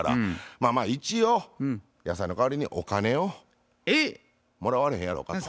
まあまあ一応野菜の代わりにお金をもらわれへんやろうかと。